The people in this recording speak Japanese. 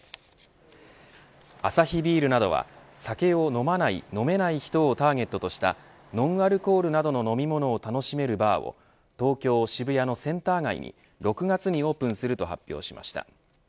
アサヒビールなどは酒を飲まない、飲めない人をターゲットとしたノンアルコールなどの飲み物を楽しめるバーを東京、渋谷のセンター街に６月にオープンすると発表しました。